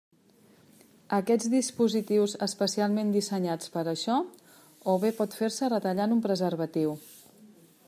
Aquests dispositius especialment dissenyats per a això o bé pot fer-se retallant un preservatiu.